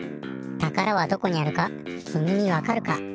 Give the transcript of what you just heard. たからはどこにあるかきみにわかるか？